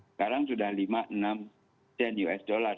sekarang sudah lima enam cent us dollar